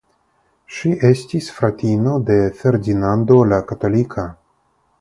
Ŝi estis fratino de Ferdinando la Katolika.